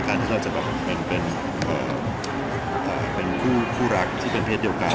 ที่เราจะแบบเป็นคู่รักที่เป็นเพศเดียวกัน